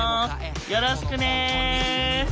よろしくね！